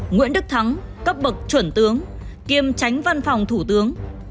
nguyễn đức thắng cấp bậc chuẩn tướng kiêm tránh văn phòng thủ tướng